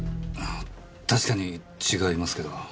確かに違いますけど。